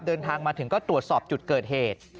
เดินทางมาถึงก็ตรวจสอบจุดเกิดเหตุ